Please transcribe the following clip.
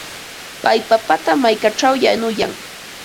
Pay papata mankaćhaw yanuyan.